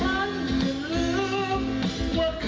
มาร้านอาหารแล้วก็มาร้องเพลงด้วยกัน